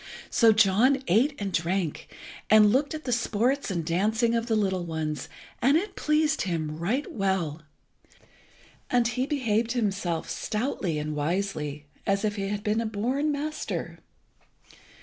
So John ate and drank, and looked at the sports and dancing of the little ones, and it pleased him right well, and he behaved himself stoutly and wisely, as if he had been a born master.